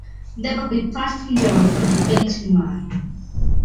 There will be platform doors on the Batong Line.